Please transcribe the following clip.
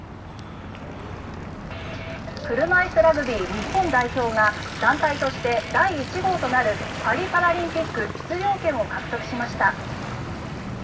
車いすラグビー日本代表が団体として第１号となるパリパラリンピック出場権を獲得しました。